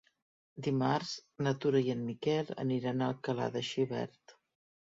Dimarts na Tura i en Miquel aniran a Alcalà de Xivert.